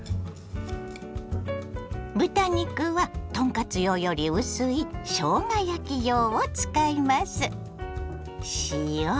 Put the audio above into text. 豚肉は豚カツ用より薄いしょうが焼き用を使います。